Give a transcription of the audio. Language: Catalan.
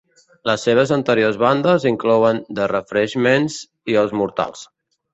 Les seves anteriors bandes inclouen The Refreshments i els Mortals.